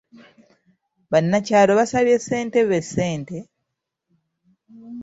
Bannakyalo baasabye ssentebe ssente